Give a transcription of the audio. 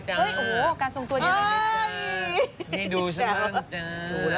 โอ้โฮการทรงตัวดีไหม